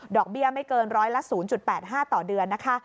เบี้ยไม่เกินร้อยละ๐๘๕ต่อเดือนนะคะ